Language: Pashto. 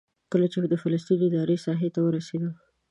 کله چې د فلسطیني ادارې ساحې ته ورسېدو.